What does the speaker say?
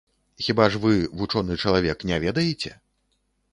Хіба ж вы, вучоны чалавек, не ведаеце?